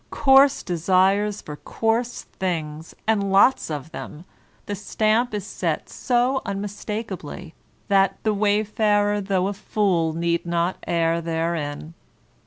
Coarse desires for coarse things, and lots of them: the stamp is set so unmistakably that "the wayfarer though a fool need not err therein."